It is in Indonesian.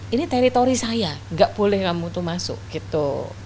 ini teritori saya nggak boleh kamu tuh masuk gitu